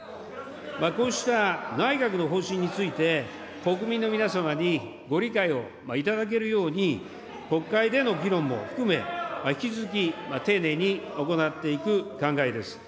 こうした内閣の方針について、国民の皆様にご理解をいただけるように、国会での議論も含め、引き続き、丁寧に行っていく考えです。